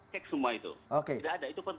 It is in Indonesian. cek semua itu tidak ada itu